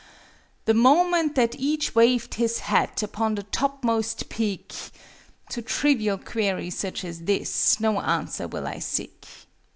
The moment that each waved his hat Upon the topmost peak To trivial query such as this No answer will I seek.